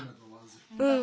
うん。